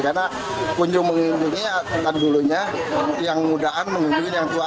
karena kunjung mengunjungi yang muda mengunjungi yang tua